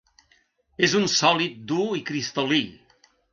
És un sòlid dur i cristal·lí.